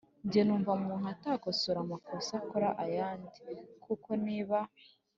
Nge numva umuntu atakosora amakosa akora ayandi. Kuko niba